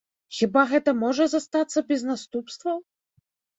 Хіба гэта можа застацца без наступстваў?